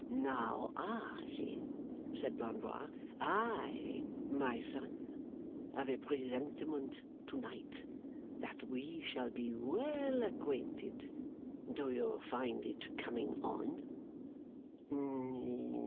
'Now I,' said Blandois, 'I, my son, have a presentiment to night that we shall be well acquainted. Do you find it coming on?